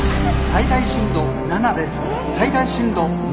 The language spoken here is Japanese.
最大震度７です」。